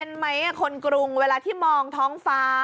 เห็นไหมคนกรุงเวลาที่มองท้องฟ้า